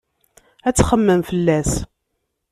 Ad txemmem fell-as.